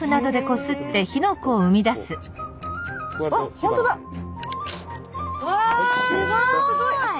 すごい！